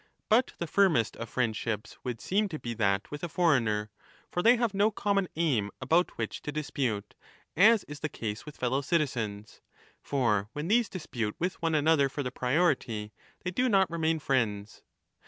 But the firmest of friend ships would seem to be that with a foreigner ; for they have no common aim about which to dispute, as is the case with fellow citizens ; for when these dispute with one another for the priority, they do not remain friends.